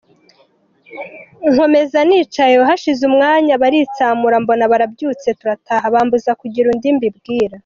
Nkomeza nicaye aho hashize umwanya baritsamura mbona barabyutse turataha bambuza kugira undi mbibwira.